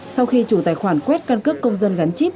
sau khi chủ tài khoản quét căn cước công dân gắn chip